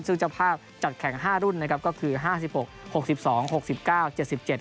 ซึ่งเจ้าภาพจัดแข่งห้ารุ่นนะครับก็คือห้าสิบหกหกสิบสองหกสิบเก้าเจ็ดสิบเจ็ด